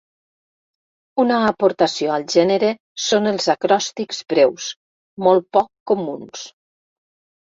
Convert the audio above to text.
Una aportació al gènere són els acròstics breus, molt poc comuns.